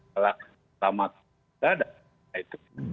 selama tidak ada